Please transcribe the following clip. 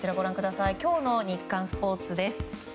今日の日刊スポーツです。